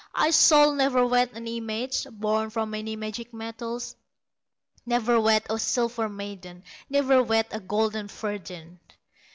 I shall never wed an image Born from many magic metals, Never wed a silver maiden, Never wed a golden virgin."